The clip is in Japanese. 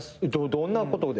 どんなことで？